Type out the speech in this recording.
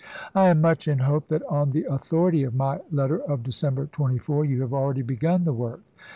I am much in hope that on the authority of my letter of December 24 you have already begun the work.